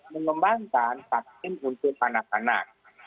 mengembangkan vaksin untuk anak anak